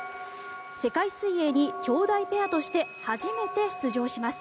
世界水泳に姉妹ペアとして初めて出場します。